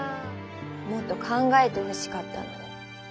もっと考えてほしかったのに。